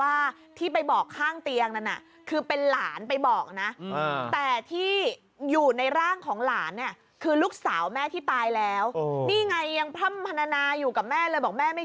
ไอ้เตียงว่าโบกเตียงว่าหนุ่ยใจนี่